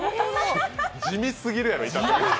地味すぎるだろ。